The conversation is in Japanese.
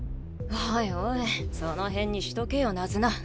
おいおいその辺にしとけよナズナ。